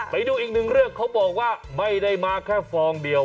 ไปดูอีกหนึ่งเรื่องเขาบอกว่าไม่ได้มาแค่ฟองเดียว